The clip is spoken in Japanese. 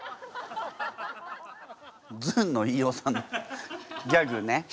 ずんの飯尾さんのギャグね。